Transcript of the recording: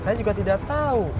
saya juga tidak tau